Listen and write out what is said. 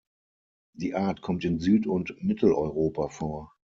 Die Art kommt in Süd- und Mitteleuropa vor.